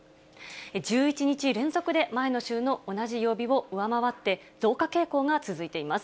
１１日連続で、前の週の同じ曜日を上回って、増加傾向が続いています。